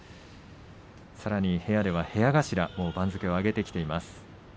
さらに部屋では部屋頭番付を上げてきています。